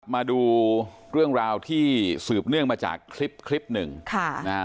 มาดูเรื่องราวที่สืบเนื่องมาจากคลิปคลิปหนึ่งค่ะนะฮะ